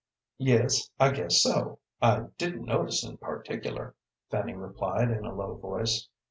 "Yes; I guess so. I didn't notice in particular," Fanny replied, in a low voice.